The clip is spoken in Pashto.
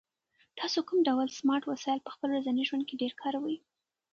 تاسو کوم ډول سمارټ وسایل په خپل ورځني ژوند کې ډېر کاروئ؟